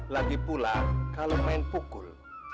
lagipula kalau main pukul